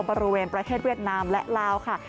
บริเวณประเทศเวียดนามและลาวค่ะ